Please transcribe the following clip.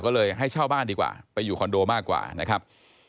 ก็เลยให้เช่าบ้านดีกว่าไปอยู่คอนโดมากกว่านะครับ